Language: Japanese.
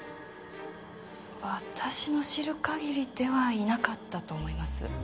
私の知る限りではいなかったと思います。